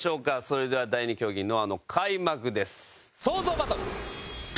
それでは第２競技ノアの開幕です。